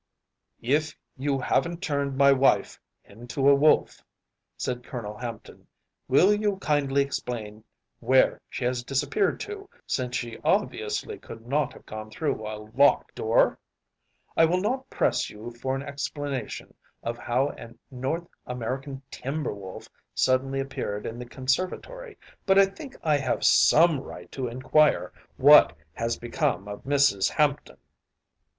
“If you haven’t turned my wife into a wolf,‚ÄĚ said Colonel Hampton, “will you kindly explain where she has disappeared to, since she obviously could not have gone through a locked door? I will not press you for an explanation of how a North American timber wolf suddenly appeared in the conservatory, but I think I have some right to inquire what has become of Mrs. Hampton.